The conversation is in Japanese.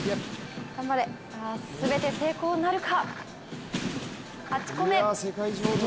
全て成功なるか？